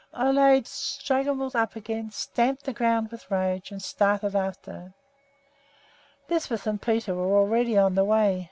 Ole scrambled up again, stamped the ground with rage, and started after her. Lisbeth and Peter were already on the way.